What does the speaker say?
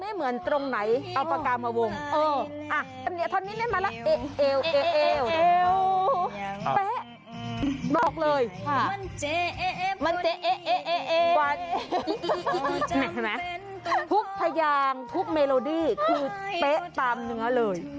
ทุกพยางทุกเมโลดี้คือเป๊ะตามเนื้อเลย